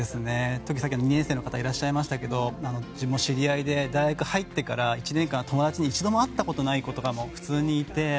特にさっき、２年生の方がいらっしゃいましたけど自分も知り合いで大学に入ってから１年間友達に会ったことがない子とかもたくさんいて。